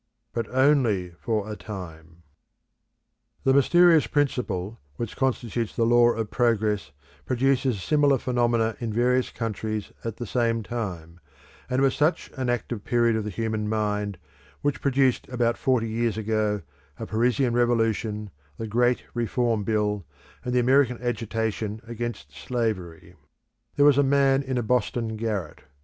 But only for a time. The mysterious principle which constitutes the law of progress produces similar phenomena in various countries at the same time, and it was such an active period of the human mind which produced about forty years ago a Parisian Revolution, the great Reform Bill, and the American agitation against slavery. There was a man in a Boston garret.